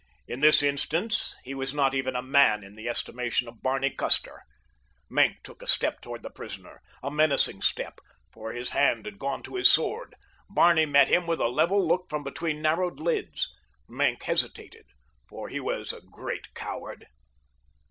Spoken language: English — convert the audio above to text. In this instance he was not even a man in the estimation of Barney Custer. Maenck took a step toward the prisoner—a menacing step, for his hand had gone to his sword. Barney met him with a level look from between narrowed lids. Maenck hesitated, for he was a great coward.